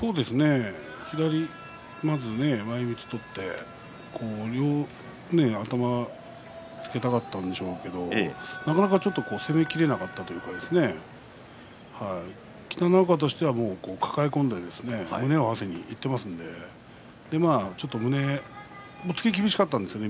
左前みつ取ってね頭をつけたかったんでしょうけどなかなかちょっと攻めきれなかったというか北の若としては、抱え込んで胸を合わせにいっていますので押っつけ厳しかったんですね